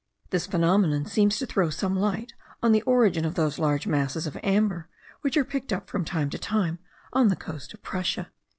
This phenomenon seems to throw some light on the origin of those large masses of amber which are picked up from time to time on the coast of Prussia.)